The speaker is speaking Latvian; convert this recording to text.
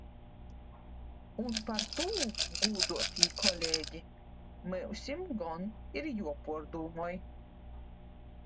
Un par to, godātie kolēģi, mums gan ir jāpārdomā!